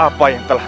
apa yang kau lakukan